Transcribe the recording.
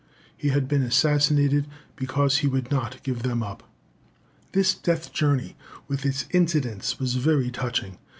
He had been assassinated because he would not give them up." This death journey, with its incidents, was very touching.